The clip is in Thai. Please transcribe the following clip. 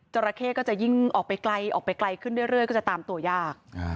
ราเข้ก็จะยิ่งออกไปไกลออกไปไกลขึ้นเรื่อยก็จะตามตัวยาก